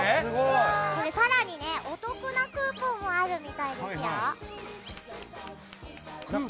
更に、お得なクーポンもあるみたいですよ。